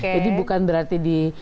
jadi bukan berarti di